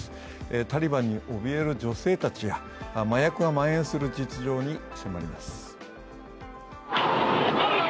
タリバンにおびえる女性たちや麻薬がまん延する実情に迫ります。